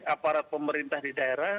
aparat pemerintah di daerah